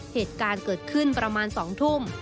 เหตุการณ์เกิดขึ้นประมาณ๒ทุ่ม